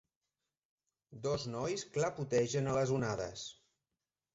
Dos nois clapotegen a les onades.